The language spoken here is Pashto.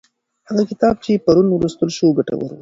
هغه کتاب چې پرون ولوستل شو ګټور و.